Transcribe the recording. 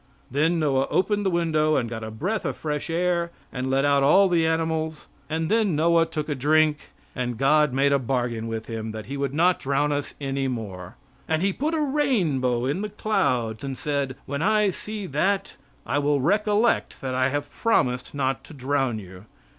Then Noah opened the window and got a breath of fresh air, and let out all the animals; and then Noah took a drink, and God made a bargain with him that He would not drown us any more, and He put a rainbow in the clouds and said: "When I see that I will recollect that I have promised not to drown you."